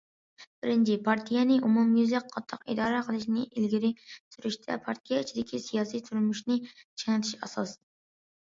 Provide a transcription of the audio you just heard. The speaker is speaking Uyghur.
بىرىنچى، پارتىيەنى ئومۇميۈزلۈك قاتتىق ئىدارە قىلىشنى ئىلگىرى سۈرۈشتە پارتىيە ئىچىدىكى سىياسىي تۇرمۇشنى چىڭىتىش ئاساس.